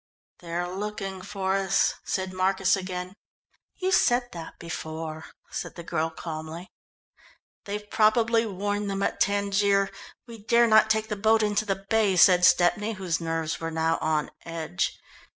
"They're looking for us," said Marcus again. "You said that before," said the girl calmly. "They've probably warned them at Tangier. We dare not take the boat into the bay," said Stepney, whose nerves were now on edge.